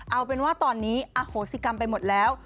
เอาเป็นว่าตอนนี้อโหสิกรรมไปหมดแล้ว